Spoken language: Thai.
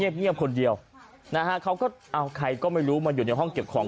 เงียบคนเดียวนะฮะเขาก็เอาใครก็ไม่รู้มาอยู่ในห้องเก็บของ